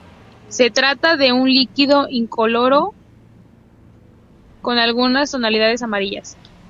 Se trata de un líquido incoloro con algunas tonalidades amarillas.